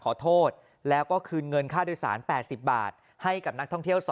ขอโทษแล้วก็คืนเงินค่าโดยสาร๘๐บาทให้กับนักท่องเที่ยว๒